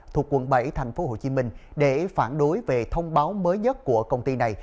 thuộc quận bảy tp hcm để phản đối về thông báo mới nhất của công ty này